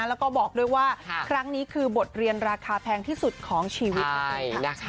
แล้วก็บอกด้วยว่าครั้งนี้คือบทเรียนราคาแพงที่สุดของชีวิตนั่นเองค่ะ